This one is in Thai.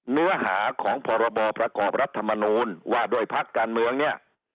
เนื้อหาของพรบประกอบรัฐมนูลว่าด้วยพักการเมืองเนี่ย